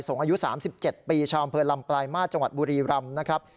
อายุ๓๗ปีชาวอำเภอลำปลายมาตรจังหวัดบุรีรำนะครับ